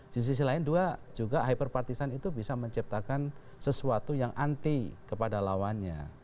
di sisi lain dua juga hyper partisan itu bisa menciptakan sesuatu yang anti kepada lawannya